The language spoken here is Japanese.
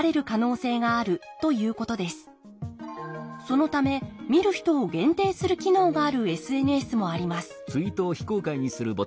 そのため見る人を限定する機能があるＳＮＳもあります